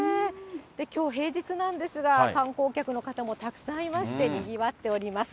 きょう平日なんですが、観光客の方もたくさんいまして、にぎわっております。